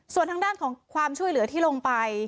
ส่วนทางด้านของความช่วยเหลือที่ลงไป